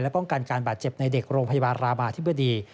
ป้องกันการบาดเจ็บในเด็กโรงพยาบาลรามาธิบดี